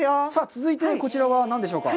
続いてこちらは何でしょうか？